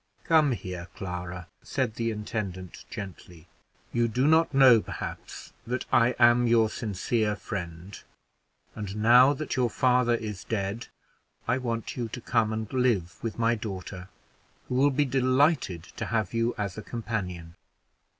"Come here, Clara," said the intendant, gently; "you do not know perhaps that I am your sincere friend; and now that your father is dead, I want you to come and live with my daughter, who will be delighted to have you as a companion.